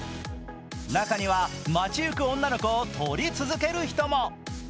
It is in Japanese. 中には、街ゆく女の子を撮り続ける人も。